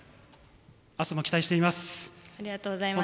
明日も期待しています。